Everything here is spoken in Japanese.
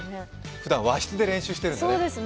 ふだん和室で練習してるんですね。